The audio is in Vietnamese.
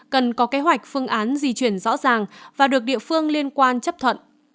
cần có kế hoạch phương án di chuyển rõ ràng và được địa phương liên quan chấp thuận